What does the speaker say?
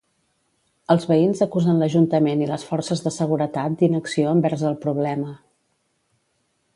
Els veïns acusen l'Ajuntament i les forces de seguretat d'inacció envers el problema.